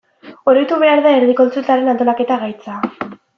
Oroitu behar da herri kontsultaren antolaketa gaitza.